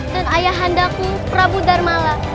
dan ayah handaku prabu dharmala